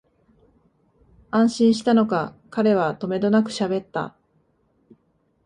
安心したのか、彼はとめどなくしゃべった